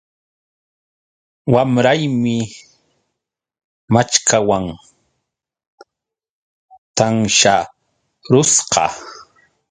Wamraymi maćhkawan tansharusqa